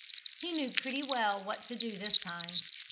He knew pretty well what to do this time.